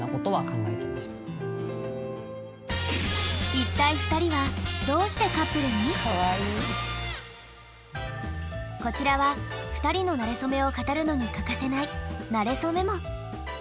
一体２人はこちらは２人のなれそめを語るのに欠かせない「なれそメモ」！